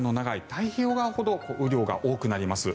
太平洋側ほど雨量が多くなります。